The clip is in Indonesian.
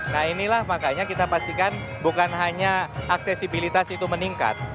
nah inilah makanya kita pastikan bukan hanya aksesibilitas itu meningkat